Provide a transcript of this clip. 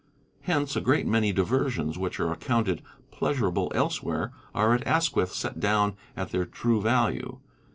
Hence a great many diversions which are accounted pleasurable elsewhere are at Asquith set down at their true value.